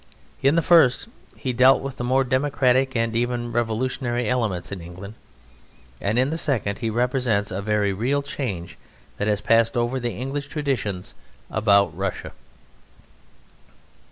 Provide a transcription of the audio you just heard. In the first he dealt with the more democratic and even revolutionary elements in England; and in the second he represents a very real change that has passed over the English traditions about Russia.